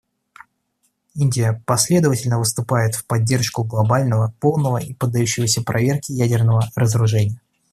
Индия последовательно выступает в поддержку глобального, полного и поддающегося проверке ядерного разоружения.